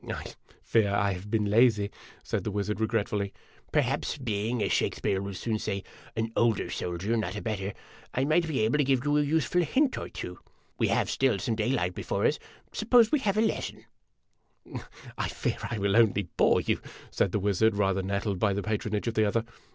" I fear I have been lazy," said the wizard, regretfully. " Perhaps, being, as Shakspere will soon say, ' an older soldier, not a better,' I might be able to give you a useful hint or two. \Ye have still some daylight before us. Suppose we have a lesson ?"" I fear I will only bore you," said the wizard, rather nettled by the patronage of the other.